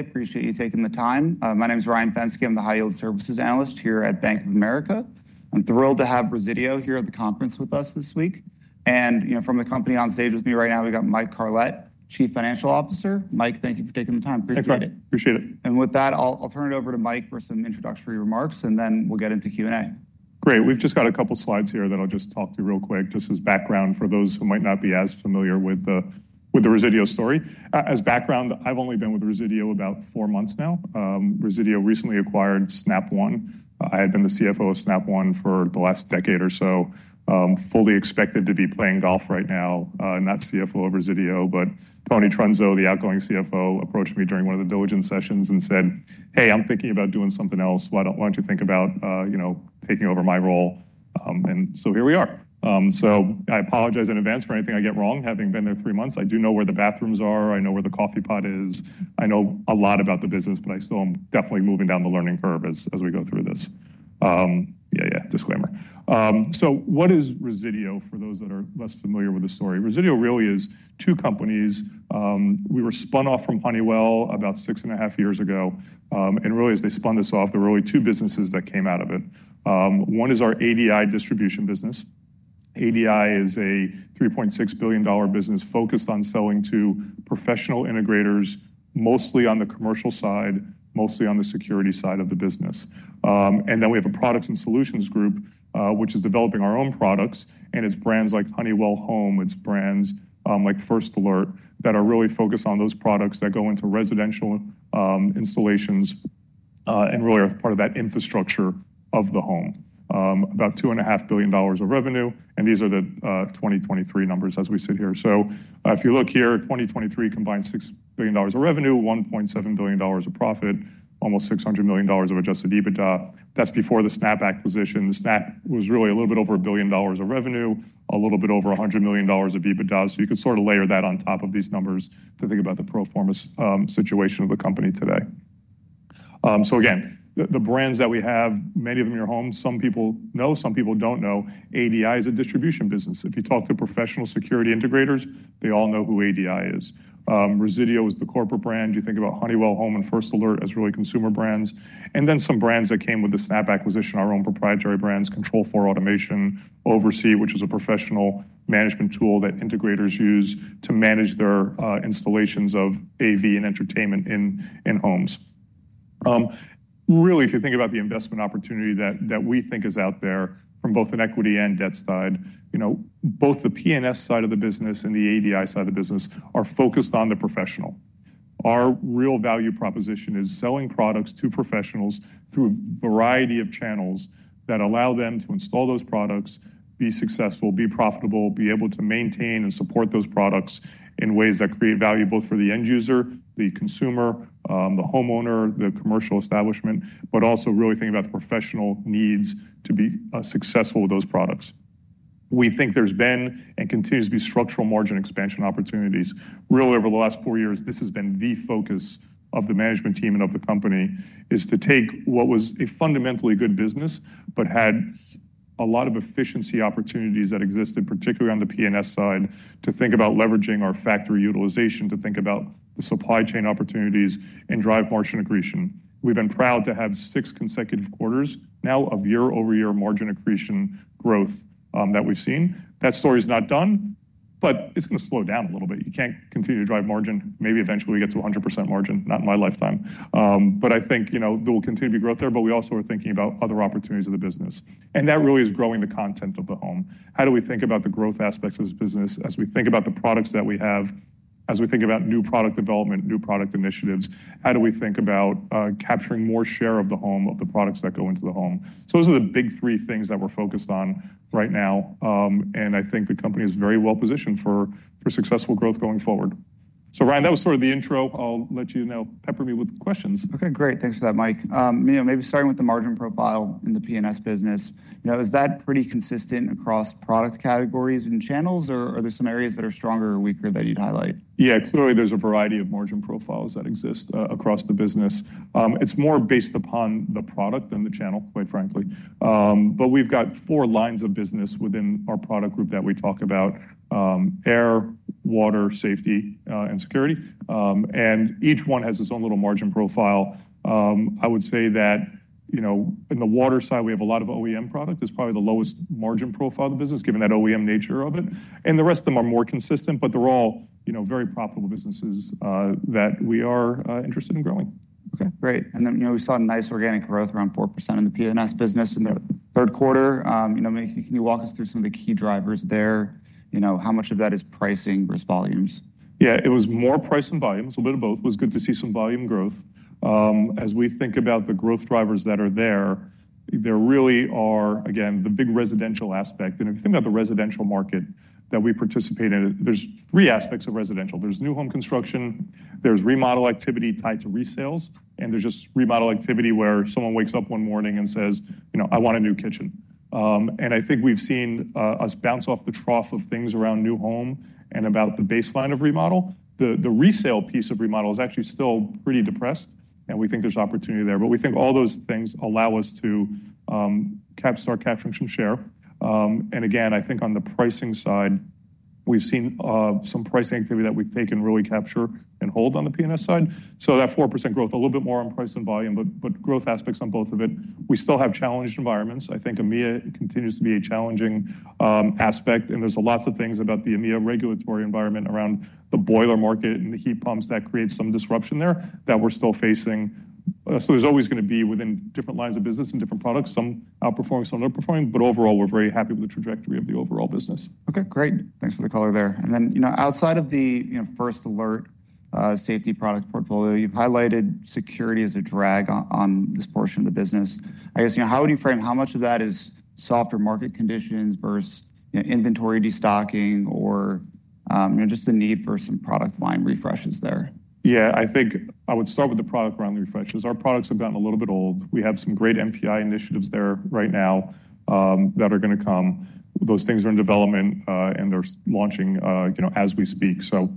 I appreciate you taking the time. My name is Ryan Fenske. I'm the High Yield Services Analyst here at Bank of America. I'm thrilled to have Resideo here at the conference with us this week. From the company on stage with me right now, we've got Mike Carlet, Chief Financial Officer. Mike, thank you for taking the time. Appreciate it. Thanks, Ryan. Appreciate it. And with that, I'll turn it over to Mike for some introductory remarks, and then we'll get into Q&A. Great. We've just got a couple of slides here that I'll just talk through real quick, just as background for those who might not be as familiar with the Resideo story. As background, I've only been with Resideo about four months now. Resideo recently acquired Snap One. I had been the CFO of Snap One for the last decade or so, fully expected to be playing golf right now, not CFO of Resideo. But Tony Trunzo, the outgoing CFO, approached me during one of the diligence sessions and said, "Hey, I'm thinking about doing something else. Why don't you think about taking over my role?" And so here we are. So I apologize in advance for anything I get wrong having been there three months. I do know where the bathrooms are. I know where the coffee pot is. I know a lot about the business, but I still am definitely moving down the learning curve as we go through this. Yeah, yeah, disclaimer. So what is Resideo for those that are less familiar with the story? Resideo really is two companies. We were spun off from Honeywell about six and a half years ago, and really, as they spun this off, there were really two businesses that came out of it. One is our ADI distribution business. ADI is a $3.6 billion business focused on selling to professional integrators, mostly on the commercial side, mostly on the security side of the business, and then we have a products and solutions group, which is developing our own products. It's brands like Honeywell Home, it's brands like First Alert that are really focused on those products that go into residential installations and really are part of that infrastructure of the home. About $2.5 billion of revenue. These are the 2023 numbers as we sit here. If you look here, 2023 combined $6 billion of revenue, $1.7 billion of profit, almost $600 million of adjusted EBITDA. That's before the Snap acquisition. The Snap was really a little bit over a billion dollars of revenue, a little bit over $100 million of EBITDA. You could sort of layer that on top of these numbers to think about the pro forma situation of the company today. Again, the brands that we have, many of them in your home, some people know, some people don't know. ADI is a distribution business. If you talk to professional security integrators, they all know who ADI is. Resideo is the corporate brand. You think about Honeywell Home and First Alert as really consumer brands. And then some brands that came with the Snap acquisition, our own proprietary brands, Control4 Automation, OvrC, which is a professional management tool that integrators use to manage their installations of AV and entertainment in homes. Really, if you think about the investment opportunity that we think is out there from both an equity and debt side, both the P&S side of the business and the ADI side of the business are focused on the professional. Our real value proposition is selling products to professionals through a variety of channels that allow them to install those products, be successful, be profitable, be able to maintain and support those products in ways that create value both for the end user, the consumer, the homeowner, the commercial establishment, but also really thinking about the professional needs to be successful with those products. We think there's been and continues to be structural margin expansion opportunities. Really, over the last four years, this has been the focus of the management team and of the company is to take what was a fundamentally good business but had a lot of efficiency opportunities that existed, particularly on the P&S side, to think about leveraging our factory utilization, to think about the supply chain opportunities and drive margin accretion. We've been proud to have six consecutive quarters now of year-over-year margin accretion growth that we've seen. That story is not done, but it's going to slow down a little bit. You can't continue to drive margin. Maybe eventually we get to 100% margin, not in my lifetime. But I think there will continue to be growth there, but we also are thinking about other opportunities of the business. And that really is growing the content of the home. How do we think about the growth aspects of this business as we think about the products that we have, as we think about new product development, new product initiatives? How do we think about capturing more share of the home, of the products that go into the home? So those are the big three things that we're focused on right now. And I think the company is very well positioned for successful growth going forward. So Ryan, that was sort of the intro. I'll let you now pepper me with questions. Okay, great. Thanks for that, Mike. Maybe starting with the margin profile in the P&S business, is that pretty consistent across product categories and channels, or are there some areas that are stronger or weaker that you'd highlight? Yeah, clearly there's a variety of margin profiles that exist across the business. It's more based upon the product than the channel, quite frankly. But we've got four lines of business within our product group that we talk about: air, water, safety, and security. And each one has its own little margin profile. I would say that in the water side, we have a lot of OEM product. It's probably the lowest margin profile of the business, given that OEM nature of it. And the rest of them are more consistent, but they're all very profitable businesses that we are interested in growing. Okay, great. And then we saw nice organic growth, around 4% in the P&S business in the third quarter. Can you walk us through some of the key drivers there? How much of that is pricing versus volumes? Yeah, it was more price than volumes. A little bit of both. It was good to see some volume growth. As we think about the growth drivers that are there, there really are, again, the big residential aspect. And if you think about the residential market that we participate in, there's three aspects of residential. There's new home construction, there's remodel activity, tied to resales, and there's just remodel activity where someone wakes up one morning and says, "I want a new kitchen." And I think we've seen us bounce off the trough of things around new home and about the baseline of remodel. The resale piece of remodel is actually still pretty depressed, and we think there's opportunity there. But we think all those things allow us to start capturing some share. Again, I think on the pricing side, we've seen some pricing activity that we've taken really capture and hold on the P&S side. So that 4% growth, a little bit more on price than volume, but growth aspects on both of it. We still have challenged environments. I think EMEA continues to be a challenging aspect. And there's lots of things about the EMEA regulatory environment around the boiler market and the heat pumps that create some disruption there that we're still facing. So there's always going to be within different lines of business and different products, some outperforming, some underperforming. But overall, we're very happy with the trajectory of the overall business. Okay, great. Thanks for the color there. And then outside of the First Alert safety product portfolio, you've highlighted security as a drag on this portion of the business. I guess, how would you frame how much of that is software market conditions versus inventory destocking or just the need for some product line refreshes there? Yeah, I think I would start with the product line refreshes. Our products have gotten a little bit old. We have some great NPI initiatives there right now that are going to come. Those things are in development, and they're launching as we speak. So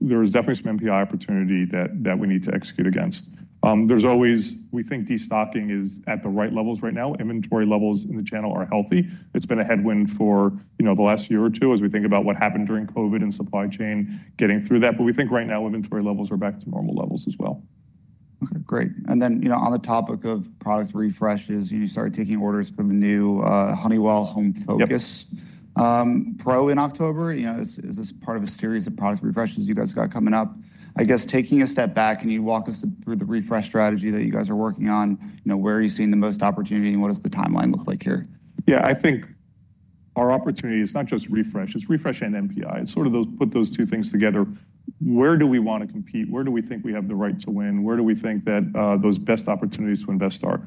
there is definitely some NPI opportunity that we need to execute against. There's always, we think destocking is at the right levels right now. Inventory levels in the channel are healthy. It's been a headwind for the last year or two as we think about what happened during COVID and supply chain getting through that. But we think right now inventory levels are back to normal levels as well. Okay, great. And then on the topic of product refreshes, you started taking orders from the new Honeywell Home FocusPRO in October. Is this part of a series of product refreshes you guys got coming up? I guess taking a step back and you walk us through the refresh strategy that you guys are working on, where are you seeing the most opportunity and what does the timeline look like here? Yeah, I think our opportunity is not just refresh. It's refresh and NPI. It's sort of put those two things together. Where do we want to compete? Where do we think we have the right to win? Where do we think that those best opportunities to invest are?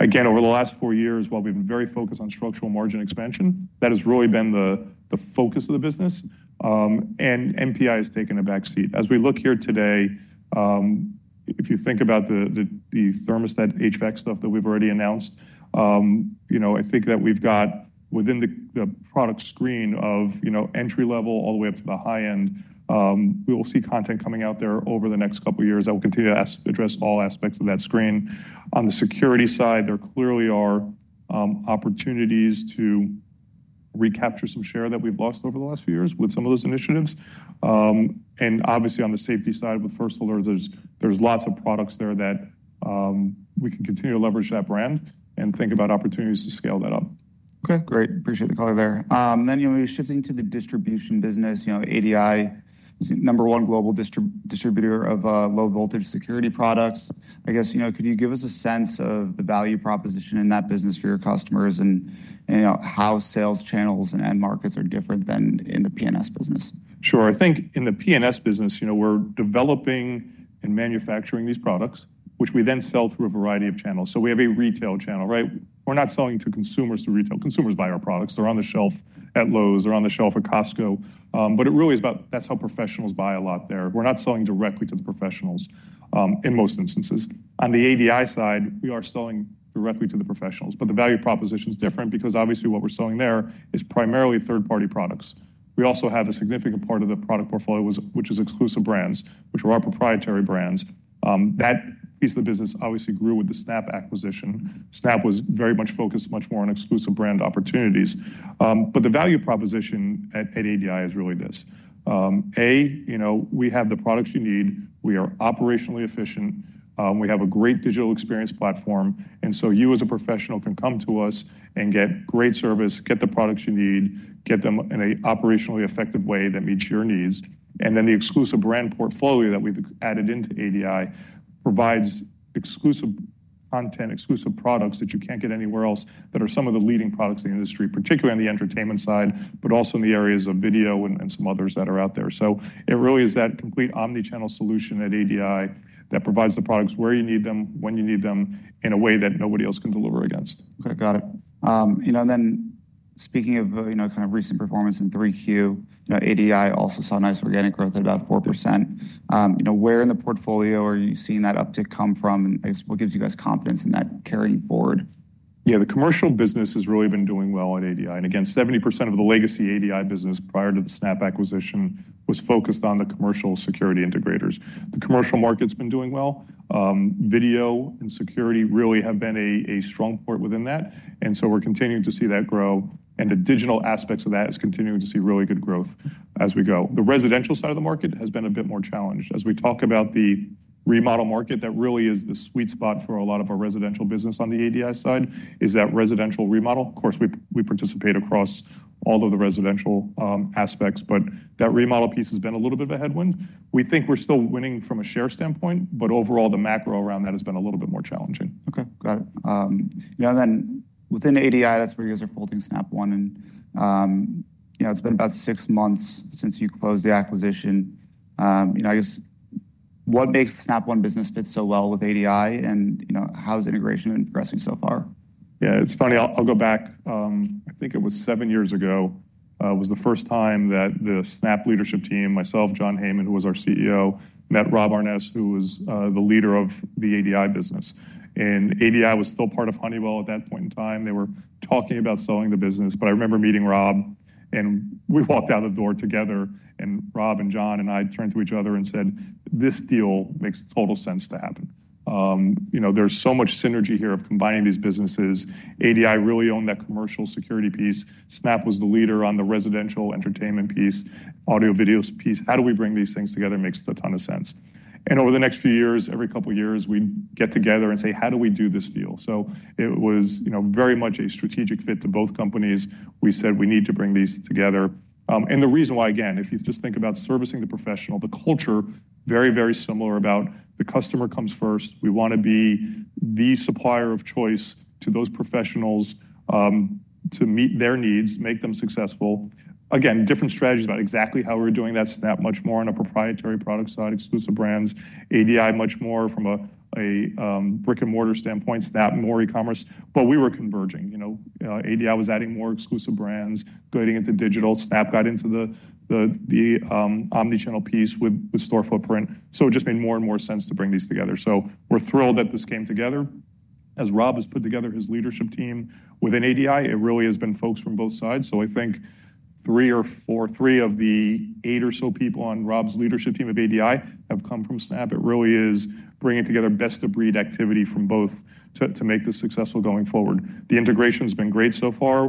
Again, over the last four years, while we've been very focused on structural margin expansion, that has really been the focus of the business, and NPI has taken a backseat. As we look here today, if you think about the thermostat HVAC stuff that we've already announced, I think that we've got, within the product screen of entry level all the way up to the high end, we will see content coming out there over the next couple of years. I will continue to address all aspects of that screen. On the security side, there clearly are opportunities to recapture some share that we've lost over the last few years with some of those initiatives. And obviously, on the safety side with First Alert, there's lots of products there that we can continue to leverage that brand and think about opportunities to scale that up. Okay, great. Appreciate the color there. Then shifting to the distribution business, ADI, number one global distributor of low voltage security products. I guess, could you give us a sense of the value proposition in that business for your customers and how sales channels and markets are different than in the P&S business? Sure. I think in the P&S business, we're developing and manufacturing these products, which we then sell through a variety of channels, so we have a retail channel, right? We're not selling to consumers through retail. Consumers buy our products. They're on the shelf at Lowe's. They're on the shelf at Costco. But it really is about that. That's how professionals buy a lot there. We're not selling directly to the professionals in most instances. On the ADI side, we are selling directly to the professionals, but the value proposition is different because obviously what we're selling there is primarily third-party products. We also have a significant part of the product portfolio, which is exclusive brands, which are our proprietary brands. That piece of the business obviously grew with the Snap acquisition. Snap was very much focused much more on exclusive brand opportunities. But the value proposition at ADI is really this. A, we have the products you need. We are operationally efficient. We have a great digital experience platform. And so you as a professional can come to us and get great service, get the products you need, get them in an operationally effective way that meets your needs. And then the exclusive brand portfolio that we've added into ADI provides exclusive content, exclusive products that you can't get anywhere else that are some of the leading products in the industry, particularly on the entertainment side, but also in the areas of video and some others that are out there. So it really is that complete omnichannel solution at ADI that provides the products where you need them, when you need them in a way that nobody else can deliver against. Okay, got it. And then speaking of kind of recent performance in 3Q, ADI also saw nice organic growth at about 4%. Where in the portfolio are you seeing that uptick come from? And I guess what gives you guys confidence in that carrying forward? Yeah, the commercial business has really been doing well at ADI. And again, 70% of the legacy ADI business prior to the Snap acquisition was focused on the commercial security integrators. The commercial market's been doing well. Video and security really have been a strong point within that. And so we're continuing to see that grow. And the digital aspects of that is continuing to see really good growth as we go. The residential side of the market has been a bit more challenged. As we talk about the remodel market, that really is the sweet spot for a lot of our residential business on the ADI side is that residential remodel. Of course, we participate across all of the residential aspects, but that remodel piece has been a little bit of a headwind. We think we're still winning from a share standpoint, but overall, the macro around that has been a little bit more challenging. Okay, got it. And then within ADI, that's where you guys are holding Snap One. And it's been about six months since you closed the acquisition. I guess, what makes the Snap One business fit so well with ADI? And how's integration been progressing so far? Yeah, it's funny. I'll go back. I think it was seven years ago was the first time that the Snap leadership team, myself, John Heyman, who was our CEO, met Rob Aarnes, who was the leader of the ADI business. And ADI was still part of Honeywell at that point in time. They were talking about selling the business. But I remember meeting Rob, and we walked out the door together. And Rob and John and I turned to each other and said, "This deal makes total sense to happen." There's so much synergy here of combining these businesses. ADI really owned that commercial security piece. Snap was the leader on the residential entertainment piece, audio-video piece. How do we bring these things together makes a ton of sense. And over the next few years, every couple of years, we'd get together and say, "How do we do this deal?" So it was very much a strategic fit to both companies. We said, "We need to bring these together." And the reason why, again, if you just think about servicing the professional, the culture very, very similar about the customer comes first. We want to be the supplier of choice to those professionals to meet their needs, make them successful. Again, different strategies about exactly how we're doing that. Snap much more on a proprietary product side, exclusive brands. ADI much more from a brick-and-mortar standpoint, Snap more e-commerce. But we were converging. ADI was adding more exclusive brands, getting into digital. Snap got into the omnichannel piece with store footprint. So it just made more and more sense to bring these together. So we're thrilled that this came together. As Rob has put together his leadership team within ADI, it really has been folks from both sides. So I think three or four, three of the eight or so people on Rob's leadership team of ADI have come from Snap. It really is bringing together best-of-breed activity from both to make this successful going forward. The integration has been great so far.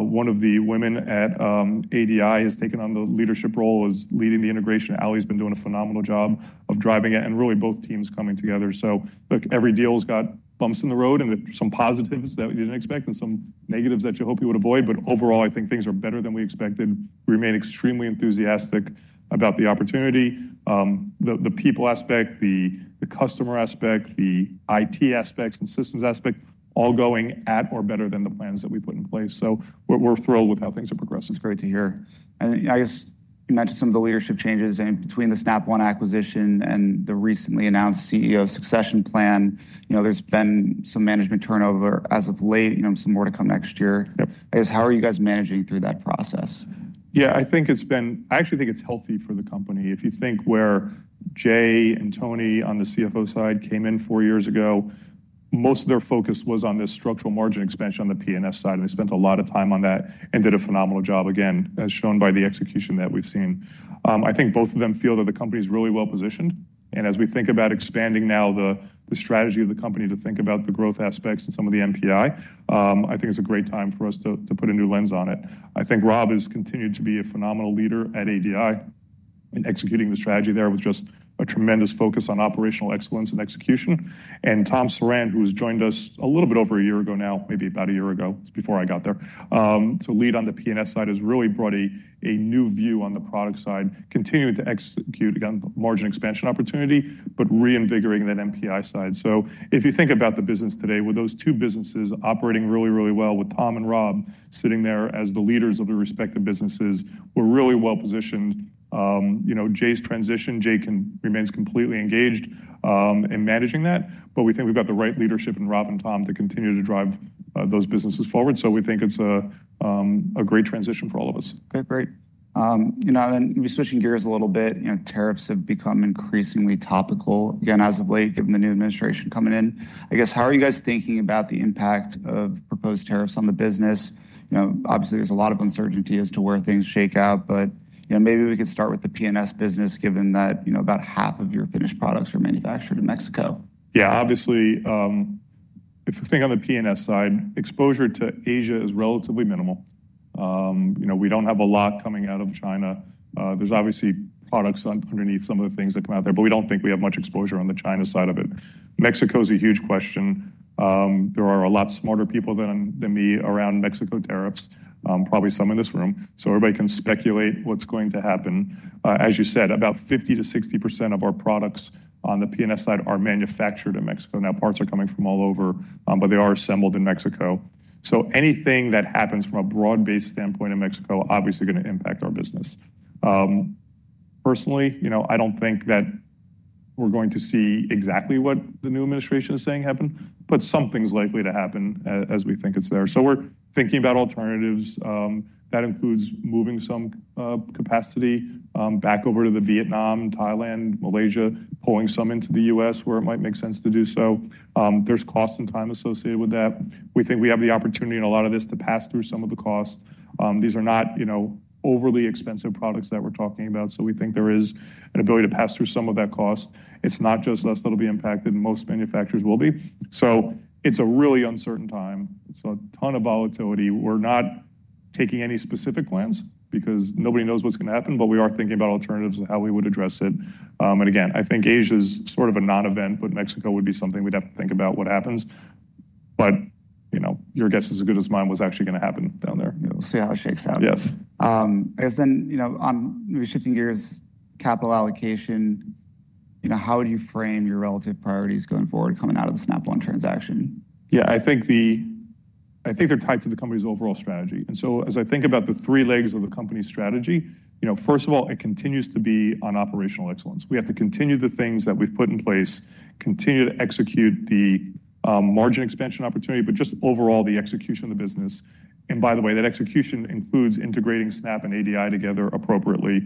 One of the women at ADI has taken on the leadership role as leading the integration. Ali's been doing a phenomenal job of driving it and really both teams coming together. So every deal has got bumps in the road and some positives that we didn't expect and some negatives that you hope you would avoid. But overall, I think things are better than we expected. We remain extremely enthusiastic about the opportunity. The people aspect, the customer aspect, the IT aspects, and systems aspect all going at or better than the plans that we put in place, so we're thrilled with how things are progressing. That's great to hear. And I guess you mentioned some of the leadership changes between the Snap One acquisition and the recently announced CEO succession plan. There's been some management turnover as of late, some more to come next year. I guess, how are you guys managing through that process? Yeah, I actually think it's healthy for the company. If you think where Jay and Tony on the CFO side came in four years ago, most of their focus was on this structural margin expansion on the P&S side. They spent a lot of time on that and did a phenomenal job, again, as shown by the execution that we've seen. I think both of them feel that the company is really well positioned. As we think about expanding now the strategy of the company to think about the growth aspects and some of the NPI, I think it's a great time for us to put a new lens on it. I think Rob has continued to be a phenomenal leader at ADI in executing the strategy there with just a tremendous focus on operational excellence and execution. And Tom Surran, who has joined us a little bit over a year ago now, maybe about a year ago, before I got there. So lead on the P&S side has really brought a new view on the product side, continuing to execute, again, margin expansion opportunity, but reinvigorating that NPI side. So if you think about the business today, with those two businesses operating really, really well with Tom and Rob sitting there as the leaders of their respective businesses, we're really well positioned. Jay's transition. Jay remains completely engaged in managing that. But we think we've got the right leadership in Rob and Tom to continue to drive those businesses forward. So we think it's a great transition for all of us. Okay, great. And then switching gears a little bit, tariffs have become increasingly topical again as of late, given the new administration coming in. I guess, how are you guys thinking about the impact of proposed tariffs on the business? Obviously, there's a lot of uncertainty as to where things shake out, but maybe we could start with the P&S business, given that about half of your finished products are manufactured in Mexico. Yeah, obviously, if we think on the P&S side, exposure to Asia is relatively minimal. We don't have a lot coming out of China. There's obviously products underneath some of the things that come out there, but we don't think we have much exposure on the China side of it. Mexico is a huge question. There are a lot smarter people than me around Mexico tariffs, probably some in this room. So everybody can speculate what's going to happen. As you said, about 50%-60% of our products on the P&S side are manufactured in Mexico. Now, parts are coming from all over, but they are assembled in Mexico. So anything that happens from a broad-based standpoint in Mexico is obviously going to impact our business. Personally, I don't think that we're going to see exactly what the new administration is saying happen, but something's likely to happen as we think it's there, so we're thinking about alternatives. That includes moving some capacity back over to the Vietnam, Thailand, Malaysia, pulling some into the U.S. where it might make sense to do so. There's cost and time associated with that. We think we have the opportunity in a lot of this to pass through some of the costs. These are not overly expensive products that we're talking about, so we think there is an ability to pass through some of that cost. It's not just us that will be impacted. Most manufacturers will be, so it's a really uncertain time. It's a ton of volatility. We're not taking any specific plans because nobody knows what's going to happen, but we are thinking about alternatives of how we would address it. And again, I think Asia is sort of a non-event, but Mexico would be something we'd have to think about what happens. But your guess is as good as mine was actually going to happen down there. We'll see how it shakes out. Yes. I guess then maybe shifting gears, capital allocation, how do you frame your relative priorities going forward coming out of the Snap One transaction? Yeah, I think they're tied to the company's overall strategy, and so as I think about the three legs of the company's strategy, first of all, it continues to be on operational excellence. We have to continue the things that we've put in place, continue to execute the margin expansion opportunity, but just overall the execution of the business, and by the way, that execution includes integrating Snap and ADI together appropriately,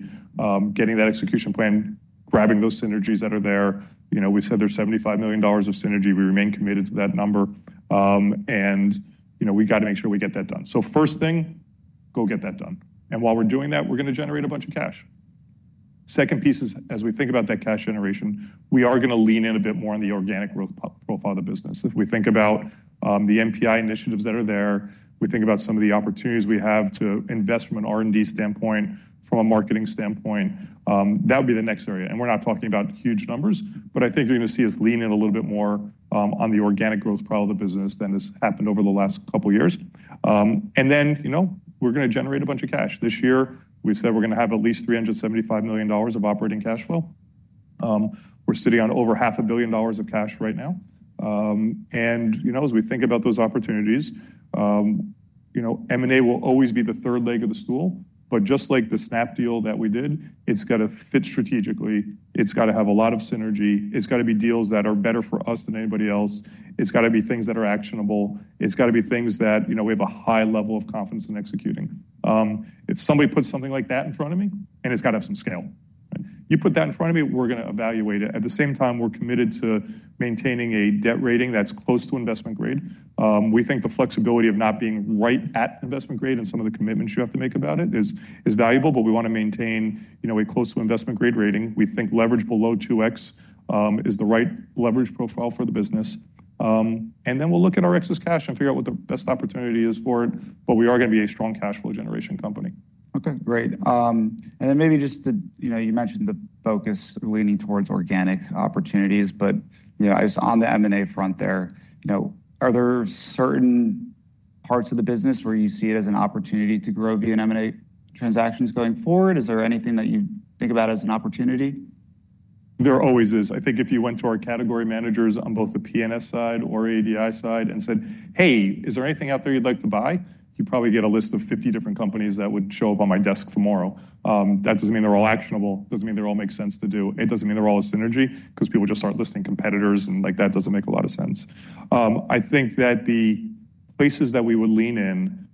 getting that execution plan, grabbing those synergies that are there. We said there's $75 million of synergy. We remain committed to that number, and we got to make sure we get that done, so first thing, go get that done, and while we're doing that, we're going to generate a bunch of cash. Second piece is, as we think about that cash generation, we are going to lean in a bit more on the organic growth profile of the business. If we think about the NPI initiatives that are there, we think about some of the opportunities we have to invest from an R&D standpoint, from a marketing standpoint. That would be the next area. And we're not talking about huge numbers, but I think you're going to see us lean in a little bit more on the organic growth part of the business than has happened over the last couple of years. And then we're going to generate a bunch of cash. This year, we said we're going to have at least $375 million of operating cash flow. We're sitting on over $500 million of cash right now. And as we think about those opportunities, M&A will always be the third leg of the stool. But just like the Snap deal that we did, it's got to fit strategically. It's got to have a lot of synergy. It's got to be deals that are better for us than anybody else. It's got to be things that are actionable. It's got to be things that we have a high level of confidence in executing. If somebody puts something like that in front of me, and it's got to have some scale. You put that in front of me, we're going to evaluate it. At the same time, we're committed to maintaining a debt rating that's close to Investment Grade. We think the flexibility of not being right at Investment Grade and some of the commitments you have to make about it is valuable, but we want to maintain a close to Investment Grade rating. We think leverage below 2x is the right leverage profile for the business. And then we'll look at our excess cash and figure out what the best opportunity is for it. But we are going to be a strong cash flow generation company. Okay, great. And then maybe just you mentioned the focus leaning towards organic opportunities, but on the M&A front there, are there certain parts of the business where you see it as an opportunity to grow via M&A transactions going forward? Is there anything that you think about as an opportunity? There always is. I think if you went to our category managers on both the P&S side or ADI side and said, "Hey, is there anything out there you'd like to buy?" You'd probably get a list of 50 different companies that would show up on my desk tomorrow. That doesn't mean they're all actionable. It doesn't mean they're all make sense to do. It doesn't mean they're all a synergy because people just aren't listing competitors. And that doesn't make a lot of sense. I think that the places that we would lean in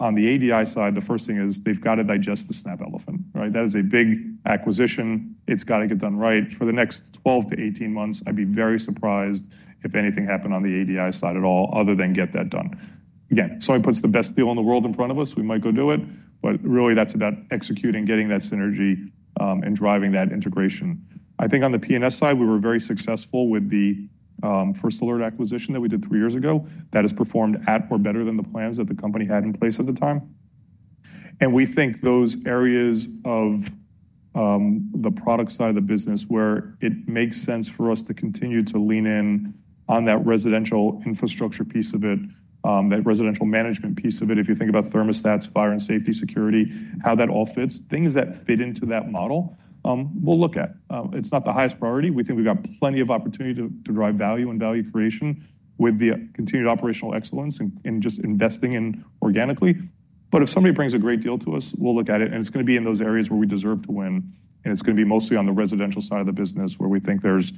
on the ADI side, the first thing is they've got to digest the Snap elephant. That is a big acquisition. It's got to get done right. For the next 12-18 months, I'd be very surprised if anything happened on the ADI side at all other than get that done. Again, somebody puts the best deal in the world in front of us, we might go do it. But really, that's about executing, getting that synergy, and driving that integration. I think on the P&S side, we were very successful with the First Alert acquisition that we did three years ago. That has performed at or better than the plans that the company had in place at the time, and we think those areas of the product side of the business where it makes sense for us to continue to lean in on that residential infrastructure piece of it, that residential management piece of it, if you think about thermostats, fire and safety security, how that all fits, things that fit into that model, we'll look at. It's not the highest priority. We think we've got plenty of opportunity to drive value and value creation with the continued operational excellence and just investing in organically. But if somebody brings a great deal to us, we'll look at it. And it's going to be in those areas where we deserve to win. And it's going to be mostly on the residential side of the business where we think there's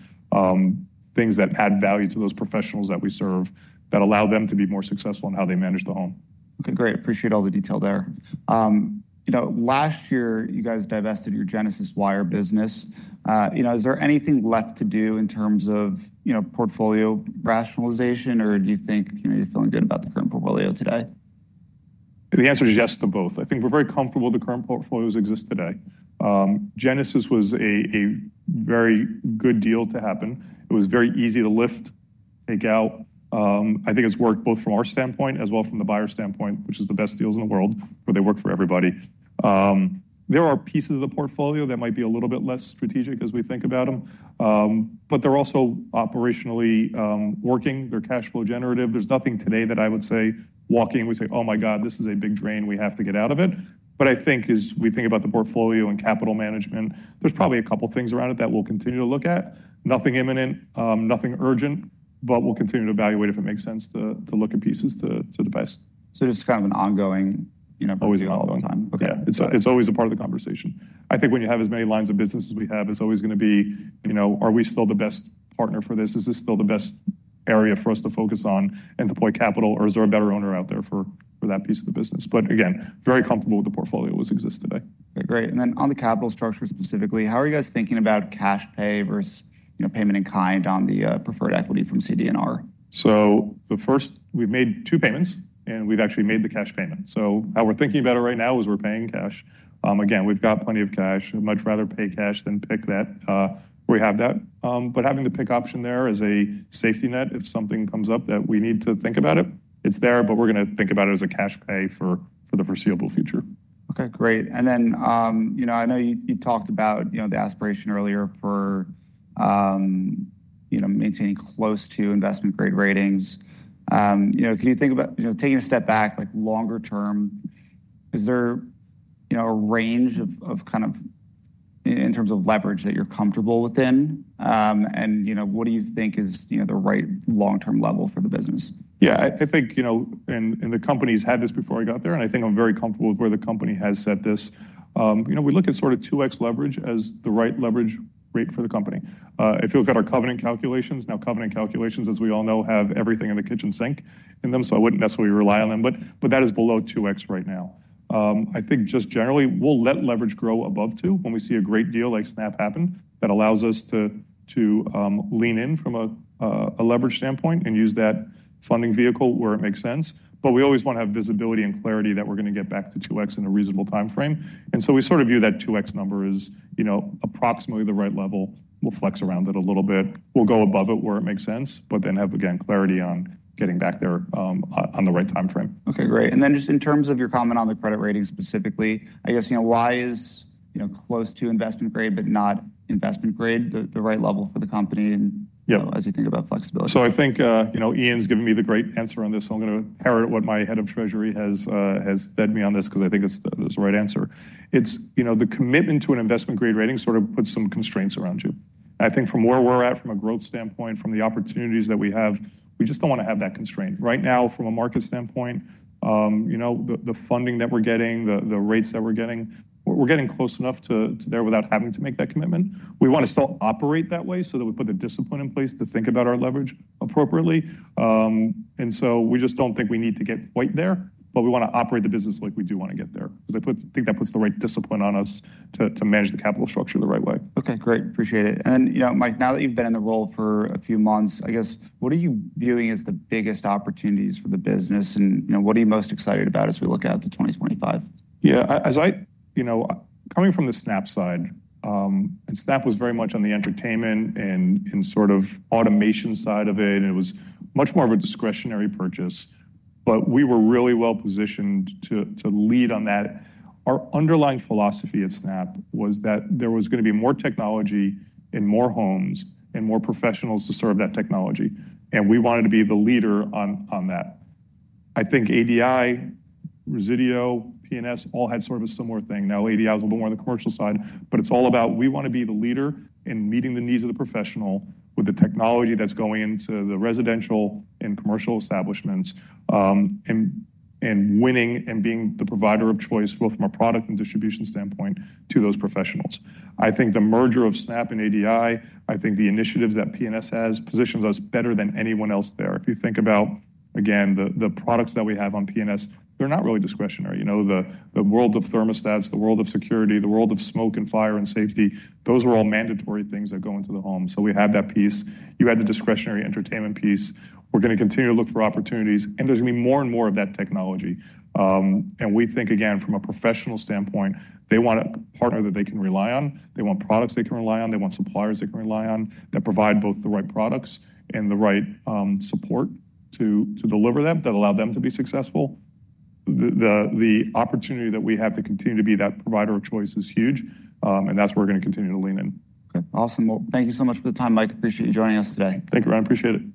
things that add value to those professionals that we serve that allow them to be more successful in how they manage the home. Okay, great. Appreciate all the detail there. Last year, you guys divested your Genesis Wire business. Is there anything left to do in terms of portfolio rationalization, or do you think you're feeling good about the current portfolio today? The answer is yes to both. I think we're very comfortable with the current portfolios that exist today. Genesis was a very good deal to happen. It was very easy to lift, take out. I think it's worked both from our standpoint as well from the buyer standpoint, which is the best deals in the world where they work for everybody. There are pieces of the portfolio that might be a little bit less strategic as we think about them, but they're also operationally working. They're cash flow generative. There's nothing today that I would say walking. We say, "Oh my God, this is a big drain. We have to get out of it." But I think as we think about the portfolio and capital management, there's probably a couple of things around it that we'll continue to look at. Nothing imminent, nothing urgent, but we'll continue to evaluate if it makes sense to look at pieces to divest. So just kind of an ongoing. Always an ongoing time. Okay. It's always a part of the conversation. I think when you have as many lines of business as we have, it's always going to be, are we still the best partner for this? Is this still the best area for us to focus on and deploy capital, or is there a better owner out there for that piece of the business? But again, very comfortable with the portfolio as it exists today. Okay, great. And then on the capital structure specifically, how are you guys thinking about cash pay versus payment in kind on the preferred equity from CD&R? So, the first, we've made two payments, and we've actually made the cash payment. So, how we're thinking about it right now is we're paying cash. Again, we've got plenty of cash. I'd much rather pay cash than PIK that where we have that. But having the PIK option there as a safety net if something comes up that we need to think about it, it's there, but we're going to think about it as a cash pay for the foreseeable future. Okay, great. And then I know you talked about the aspiration earlier for maintaining close to Investment Grade ratings. Can you think about taking a step back, like longer term? Is there a range of kind of in terms of leverage that you're comfortable within? And what do you think is the right long-term level for the business? Yeah, I think and the company's had this before I got there, and I think I'm very comfortable with where the company has set this. We look at sort of 2x leverage as the right leverage rate for the company. If you look at our covenant calculations, now covenant calculations, as we all know, have everything in the kitchen sink in them, so I wouldn't necessarily rely on them. But that is below 2x right now. I think just generally, we'll let leverage grow above two when we see a great deal like Snap happened that allows us to lean in from a leverage standpoint and use that funding vehicle where it makes sense. But we always want to have visibility and clarity that we're going to get back to 2x in a reasonable timeframe. And so we sort of view that 2x number as approximately the right level. We'll flex around it a little bit. We'll go above it where it makes sense, but then have, again, clarity on getting back there on the right timeframe. Okay, great. And then just in terms of your comment on the credit rating specifically, I guess why is close to Investment Grade, but not Investment Grade, the right level for the company as you think about flexibility? So I think Ian's given me the great answer on this. I'm going to parrot what my head of treasury has said to me on this because I think it's the right answer. It's the commitment to an Investment Grade rating sort of puts some constraints around you. I think from where we're at, from a growth standpoint, from the opportunities that we have, we just don't want to have that constraint. Right now, from a market standpoint, the funding that we're getting, the rates that we're getting, we're getting close enough to there without having to make that commitment. We want to still operate that way so that we put the discipline in place to think about our leverage appropriately. And so we just don't think we need to get quite there, but we want to operate the business like we do want to get there because I think that puts the right discipline on us to manage the capital structure the right way. Okay, great. Appreciate it. And Mike, now that you've been in the role for a few months, I guess what are you viewing as the biggest opportunities for the business, and what are you most excited about as we look out to 2025? Yeah, as I'm coming from the Snap side, and Snap was very much on the entertainment and sort of automation side of it, and it was much more of a discretionary purchase, but we were really well positioned to lead on that. Our underlying philosophy at Snap was that there was going to be more technology in more homes and more professionals to serve that technology. And we wanted to be the leader on that. I think ADI, Resideo, P&S all had sort of a similar thing. Now, ADI was a little bit more on the commercial side, but it's all about we want to be the leader in meeting the needs of the professional with the technology that's going into the residential and commercial establishments and winning and being the provider of choice both from a product and distribution standpoint to those professionals. I think the merger of Snap and ADI, I think the initiatives that P&S has positions us better than anyone else there. If you think about, again, the products that we have on P&S, they're not really discretionary. The world of thermostats, the world of security, the world of smoke and fire and safety, those are all mandatory things that go into the home. So we have that piece. You had the discretionary entertainment piece. We're going to continue to look for opportunities, and there's going to be more and more of that technology. And we think, again, from a professional standpoint, they want a partner that they can rely on. They want products they can rely on. They want suppliers they can rely on that provide both the right products and the right support to deliver them that allow them to be successful. The opportunity that we have to continue to be that provider of choice is huge, and that's where we're going to continue to lean in. Okay, awesome. Thank you so much for the time, Mike. Appreciate you joining us today. Thank you, Ryan. Appreciate it.